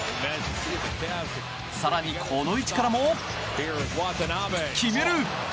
更に、この位置からも決める！